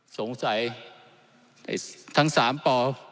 สงสัยทั้งสามป่อ